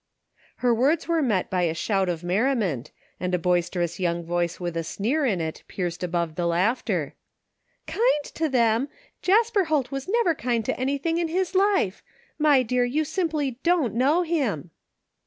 Her words were met by a shout of merriment, and a boisterous young voice with a sneer in it pierced above the laughter: " Kind to them ! Jasper Holt was never kind to anything in his life ! My dear, you simply don't know him!"